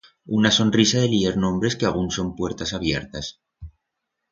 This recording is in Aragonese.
Una sonrisa de lier nombres que agún son puertas abiertas.